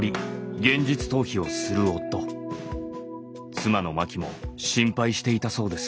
妻の真紀も心配していたそうです。